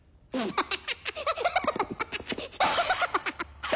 ハハハハ！